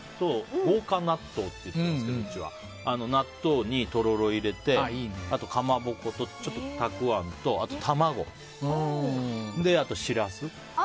豪華納豆って言ってるんですけど納豆に、とろろ入れてあと、かまぼことたくあんとあと、卵、シラス。